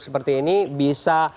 seperti ini bisa